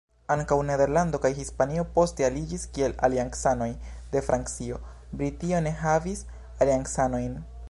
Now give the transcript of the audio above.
Ankaŭ Nederlando kaj Hispanio poste aliĝis kiel aliancanoj de Francio; Britio ne havis aliancanojn.